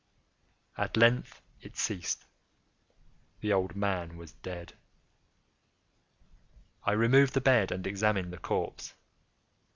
At length it ceased. The old man was dead. I removed the bed and examined the corpse.